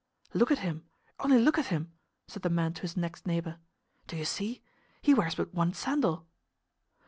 "Look at him! only look at him!" said the man to his next neighbor. "Do you see? He wears but one sandal!"